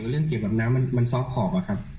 เรื่องเกี่ยวกับน้ำมันซอฟขอบอะครับ